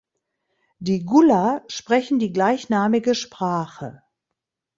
Die Gullah sprechen die gleichnamige Sprache.